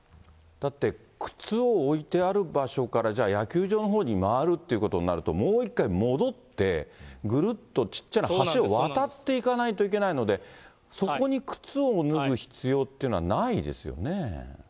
だって靴を置いてある場所から、じゃあ、野球場のほうに回るってことになると、もう一回戻って、ぐるっと小っちゃな橋を渡っていかないといけないので、そこに靴を脱ぐ必要っていうのはないですよね。